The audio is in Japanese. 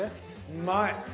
「うまい」。